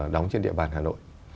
đóng trên địa bàn hà nội